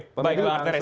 oke baiklah arteres